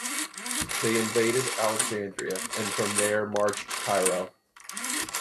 They invaded Alexandria and from there marched to Cairo.